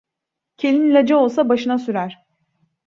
Kelin ilacı olsa başına sürer.